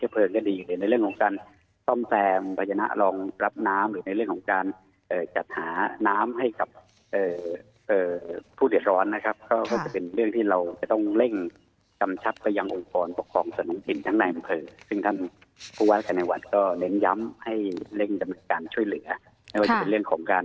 เปิดซึ่งท่านก็เน้นย้ำให้เล่นการช่วยเหลือ